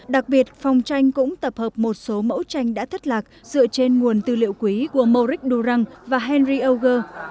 đặc biệt phòng tranh cũng tập hợp một số mẫu tranh đã thất lạc dựa trên nguồn tư liệu quý của moric durang và henry auger